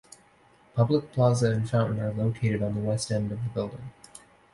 A public plaza and fountain are located on the west end of the building.